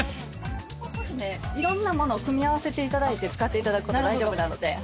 いろんなものを組み合わせていただいて使っていただくこと大丈夫なので。